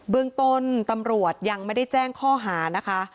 เรื่องต้นตำรวจยังไม่ได้แจ้งข้อหานะคะ